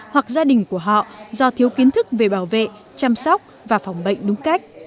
hoặc gia đình của họ do thiếu kiến thức về bảo vệ chăm sóc và phòng bệnh đúng cách